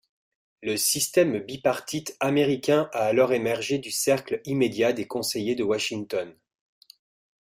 Le système bipartite américain a alors émergé du cercle immédiat des conseillers de Washington.